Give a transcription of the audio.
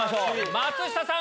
松下さん